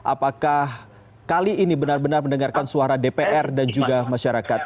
apakah kali ini benar benar mendengarkan suara dpr dan juga masyarakat